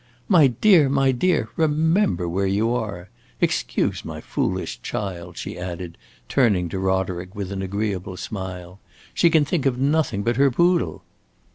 "My dear, my dear, remember where you are! Excuse my foolish child," she added, turning to Roderick with an agreeable smile. "She can think of nothing but her poodle."